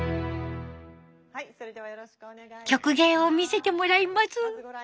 曲芸を見せてもらいます。